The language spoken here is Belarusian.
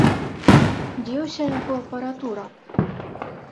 Дзе ўся яго апаратура?